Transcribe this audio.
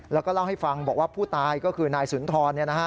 แล้วก็เล่าให้ฟังบอกว่าผู้ตายก็คือนายสุนทร